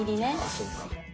あそうか。